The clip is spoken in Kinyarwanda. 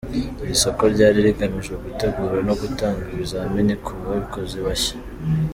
Iri soko ryari rigamije gutegura no gutanga ibizamini ku bakozi bashya.